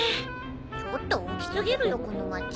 ちょっと大き過ぎるよこの町。